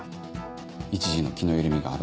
一時の気の緩みがあだに。